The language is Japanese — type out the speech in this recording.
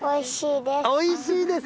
おいしいです。